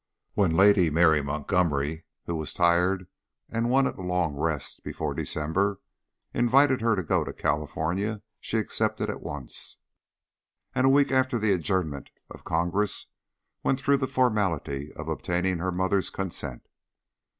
When Lady Mary Montgomery, who was tired and wanted a long rest before December, invited her to go to California, she accepted at once; and, a week after the adjournment of Congress, went through the formality of obtaining her mother's consent.